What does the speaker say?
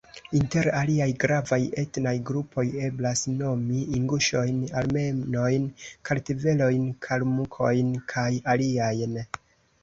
Inter aliaj gravaj etnaj grupoj eblas nomi inguŝojn, armenojn, kartvelojn, kalmukojn kaj aliajn.